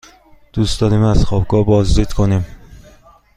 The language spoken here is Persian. دوست داریم از خوابگاه بازدید کنیم.